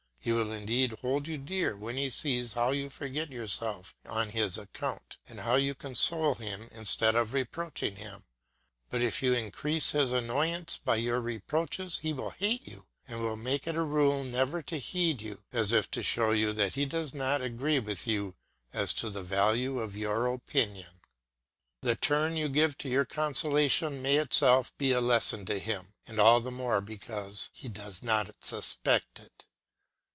He will indeed hold you dear when he sees how you forget yourself on his account, and how you console him instead of reproaching him. But if you increase his annoyance by your reproaches he will hate you, and will make it a rule never to heed you, as if to show you that he does not agree with you as to the value of your opinion. The turn you give to your consolation may itself be a lesson to him, and all the more because he does not suspect it.